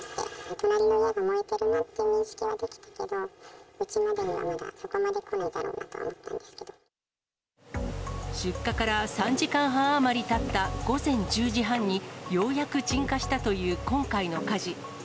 隣の家が燃えてるなっていう認識はできてたけど、うちまでは、そこまで来ないだろうなと思った出火から３時間半余りたった午前１０時半に、ようやく鎮火したという今回の火事。